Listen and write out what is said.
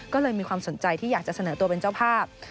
ก็เลยมีความสนใจที่อยากจะเสนอตัวเป็นเจ้าภาพ